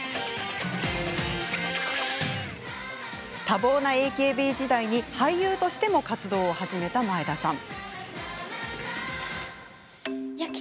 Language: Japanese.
多忙なＡＫＢ時代に俳優としても活動を始めた前田さん。